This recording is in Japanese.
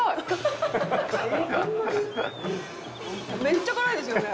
めっちゃ辛いですよね？